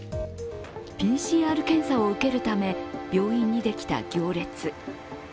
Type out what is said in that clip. ＰＣＲ検査を受けるため病院にできた行列。